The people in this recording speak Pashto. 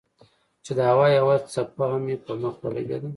چې د هوا يوه چپه مې پۀ مخ ولګېده